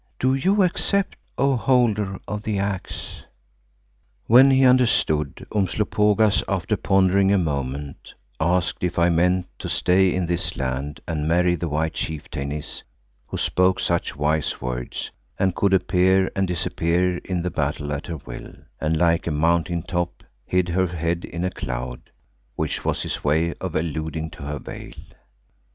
Do you accept, O Holder of the Axe?" When he understood, Umslopogaas, after pondering a moment, asked if I meant to stay in this land and marry the white chieftainess who spoke such wise words and could appear and disappear in the battle at her will, and like a mountain top hid her head in a cloud, which was his way of alluding to her veil.